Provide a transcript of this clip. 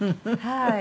はい。